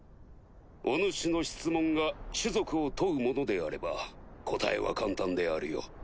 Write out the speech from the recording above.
お主の質問が種族を問うものであれば答えは簡単であるよ。